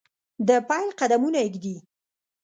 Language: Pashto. دپیل قدمونه ایږدي